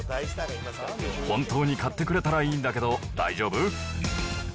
本当に買ってくれたらいいんだけど、大丈夫？